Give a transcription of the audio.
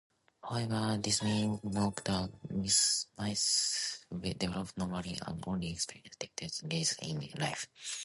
However desmin knockout mice develop normally and only experience defects later in life.